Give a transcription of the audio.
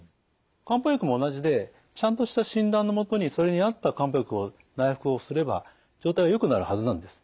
漢方薬も同じでちゃんとした診断の下にそれに合った漢方薬を内服をすれば状態はよくなるはずなんです。